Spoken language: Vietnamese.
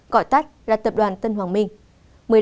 gọi tắt là tập đoàn tân hoàng minh